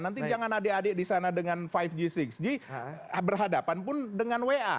nanti jangan adik adik di sana dengan lima g enam g berhadapan pun dengan wa